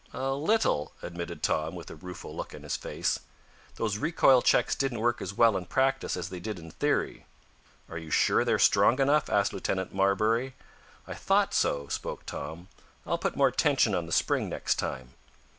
"A little," admitted Tom, with a rueful look on his face. "Those recoil checks didn't work as well in practice as they did in theory." "Are you sure they are strong enough?" asked Lieutenant Marbury. "I thought so," spoke Tom. "I'll put more tension on the spring next time."